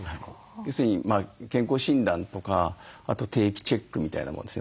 要するに健康診断とかあと定期チェックみたいなもんですね。